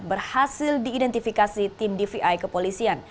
berhasil diidentifikasi tim dvi kepolisian